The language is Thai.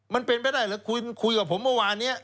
มันเป็นไปได้หรือคุยกับผมเมื่อวานนี้